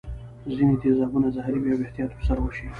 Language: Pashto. ځیني تیزابونه زهري وي او احتیاط ور سره وشي.